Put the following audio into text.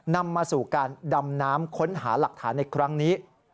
นำมาสู่การดำน้ำค้นหาหลักฐานในครั้งนี้